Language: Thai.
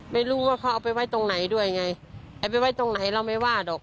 ไม่รู้ว่าเขาเอาไปไว้ตรงไหนด้วยไงเอาไปไว้ตรงไหนเราไม่ว่าหรอก